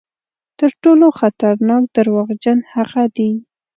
تر ټولو خطرناک دروغجن هغه دي.